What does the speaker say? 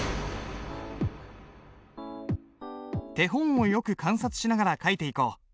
手本をよく観察しながら書いていこう。